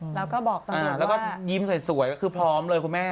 แล้วก็ยิ้มสวยคือพร้อมเลยคุณแม่